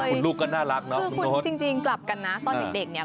คุณลูกก็น่ารักเนอะคุณโทษ